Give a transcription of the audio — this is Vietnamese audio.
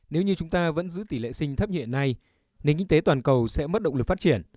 nếu như chúng ta vẫn giữ tỷ lệ sinh thấp như hiện nay nền kinh tế toàn cầu sẽ mất động lực phát triển